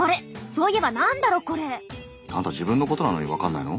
そういえば何だろこれ？アンタ自分のことなのに分かんないの？